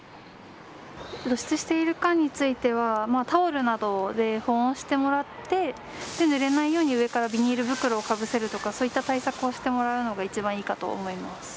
露出している管についてはタオルなどで保温をしてもらってぬれないように上からビニール袋をかぶせるとかそういった対策をして。